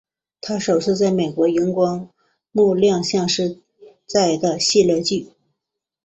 她首次在美国萤光幕亮相是在的系列剧。